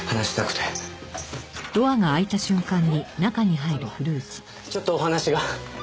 あのちょっとお話が。